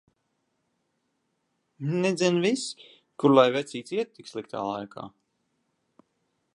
Nedzen vis! Kur lai vecītis iet tik sliktā laika.